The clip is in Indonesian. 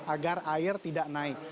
agar air tidak naik